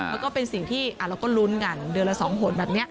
มันก็เป็นสิ่งที่เราก็ลุ้นกันเดือนละสองห่วงแบบนี้